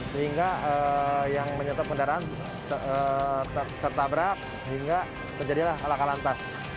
sehingga yang menyetep kendaraan tertabrak hingga terjadilah lakalantas